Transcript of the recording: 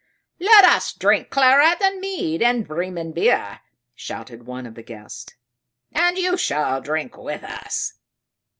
"Let us drink claret and mead, and Bremen beer," shouted one of the guests "and you shall drink with us!"